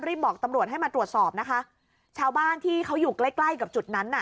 บอกตำรวจให้มาตรวจสอบนะคะชาวบ้านที่เขาอยู่ใกล้ใกล้กับจุดนั้นน่ะ